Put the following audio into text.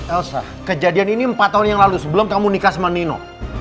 elsa kejadian ini empat tahun yang lalu sebelum kamu nikah sama nino